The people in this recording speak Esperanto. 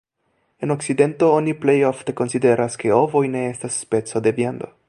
En okcidento oni plej ofte konsideras ke ovoj ne estas speco de viando.